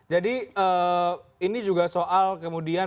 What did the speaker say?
jadi ini juga soal kemudian